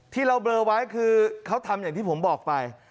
ที่เราเบลอไว้คือเขาทำอย่างที่ผมบอกไป